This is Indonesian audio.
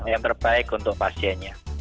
yang terbaik untuk pasiennya